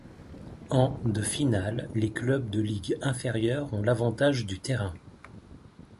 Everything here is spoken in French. En de finale, les clubs de ligue inférieure ont l'avantage du terrain.